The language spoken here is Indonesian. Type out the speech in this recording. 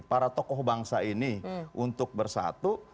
para tokoh bangsa ini untuk bersatu